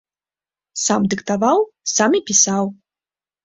Сам дыктаваў, сам і пісаў.